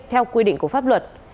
theo quy định của pháp luật